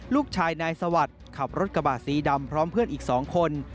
ลูกชายนายสวัสดิ์ขับรถกระบะสีดำพร้อมเพื่อนอีก๒คน